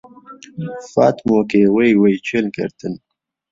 فاتمۆکێ وەی وەی کێل گەردن